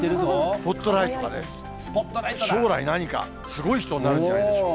スポットライト、将来何かすごい人になるんでしょうか。